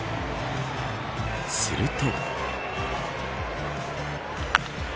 すると。